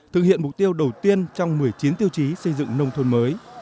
thực hiện mục tiêu đầu tiên trong một mươi chín tiêu chí xây dựng nông thôn mới